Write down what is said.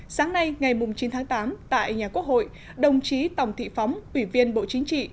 sáng nay ngày chín tháng tám tại nhà quốc hội đồng chí tòng thị phóng ủy viên bộ chính trị